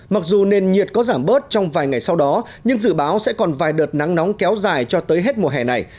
mặc dù nền nhiệt có giảm bớt trong vài ngày sau đó nhưng dự báo sẽ còn vài đợt nắng nóng kéo dài cho tới hết mùa hè này